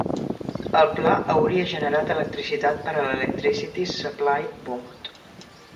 El pla hauria generat electricitat per a l'Electricity Supply Board.